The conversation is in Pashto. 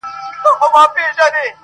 غلیم د خاوري او د وطن دی -